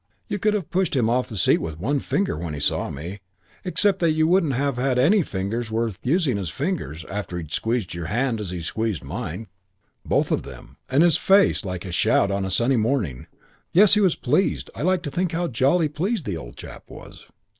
You could have pushed him off the seat with one finger when he saw me. Except that you wouldn't have had any fingers worth using as fingers, after he'd squeezed your hands as he squeezed mine. Both of them. And his face like a shout on a sunny morning. Yes, he was pleased. I like to think how jolly pleased the old chap was.